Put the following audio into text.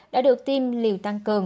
đã được tiêm liều tăng cường